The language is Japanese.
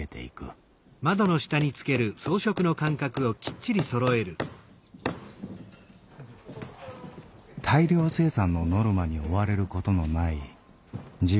大量生産のノルマに追われることのない自分らしい仕事。